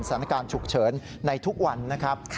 สถานการณ์ฉุกเฉินในทุกวันนะครับ